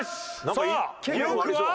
さあ記録は？